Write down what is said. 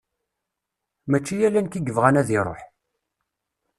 Mačči ala nekk i yebɣan ad iruḥ.